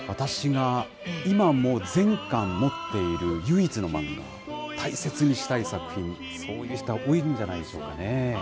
私が今も全巻持っている唯一の漫画、大切にしたい作品、そういう人、多いんじゃないでしょうかね。